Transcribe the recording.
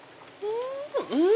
うん！